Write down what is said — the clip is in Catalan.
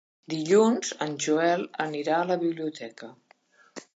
Dilluns en Joel anirà a la biblioteca.